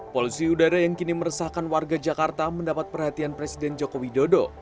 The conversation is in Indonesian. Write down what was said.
polusi udara yang kini meresahkan warga jakarta mendapat perhatian presiden joko widodo